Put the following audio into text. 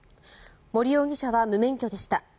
盛容疑者は無免許でした。